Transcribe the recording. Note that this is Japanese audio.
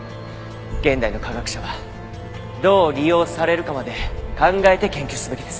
現代の科学者はどう利用されるかまで考えて研究すべきです。